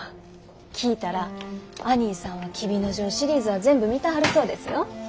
聞いたらアニーさんは「黍之丞」シリーズは全部見たはるそうですよ。